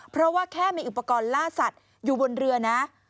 เพราะว่าแค่มีอุปกรณ์ล่าสัตว์อยู่บนเรือนะ